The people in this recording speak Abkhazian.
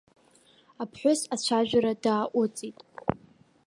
Аԥҳәыс ацәажәара дааҟәыҵит.